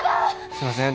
すいません。